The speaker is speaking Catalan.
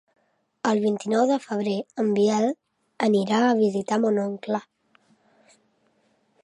El vint-i-nou de febrer en Biel anirà a visitar mon oncle.